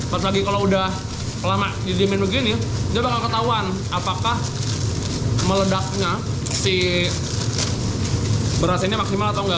pas lagi kalau udah lama didimen begini dia bakal ketahuan apakah meledaknya si beras ini maksimal atau enggak